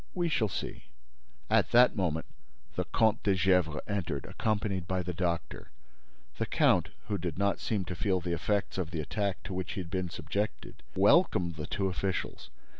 "We shall see." At that moment, the Comte de Gesvres entered, accompanied by the doctor. The count, who did not seem to feel the effects of the attack to which he had been subjected, welcomed the two officials.